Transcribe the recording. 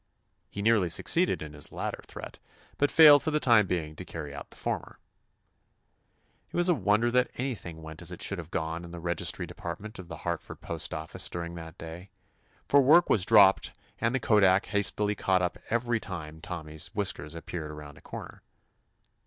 He nearly succeeded in his latter threat, but failed for the time being to carry out the former. It was a wonder that anything went as it should have gone in the Registry Department of the Hart ford postoffice during that day, for work was dropped and the kodak has tily caught up every time Tommy's 169 THE ADVENTURES OF whiskers appeared around a corner.